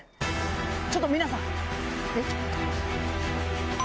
ちょっと皆さん！